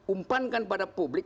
umpankan pada publik